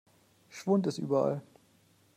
Schwund ist überall.